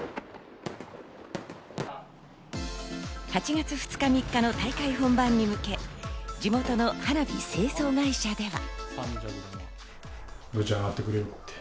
８月２日・３日の大会本番に向け、地元の花火製造会社では。